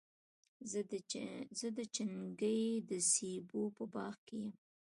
زه د چنګۍ د سېبو په باغ کي یم.